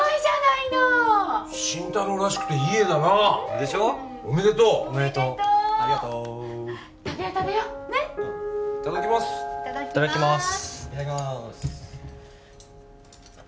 いただきまーす